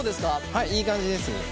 はいいい感じです。